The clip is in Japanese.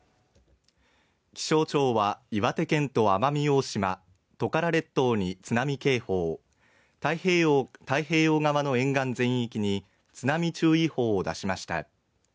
気象庁は岩手県と奄美大島、トカラ列島に津波警報太平洋側の沿岸全域に津波注意報を出しました。